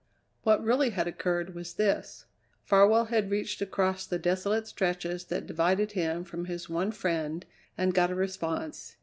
What really had occurred was this: Farwell had reached across the desolate stretches that divided him from his one friend and got a response.